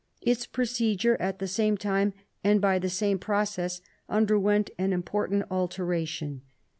Its procedure at the same time, and by the same process, underwent an important alteration.